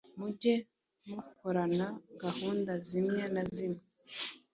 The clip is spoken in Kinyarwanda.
Mujye mukorana gahunda zimwe na zimwe